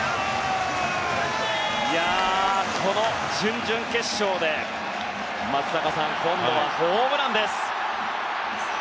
この準々決勝で今度はホームランです。